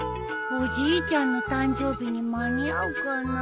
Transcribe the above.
おじいちゃんの誕生日に間に合うかな。